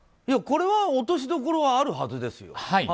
これは落としどころはあるはずですよ。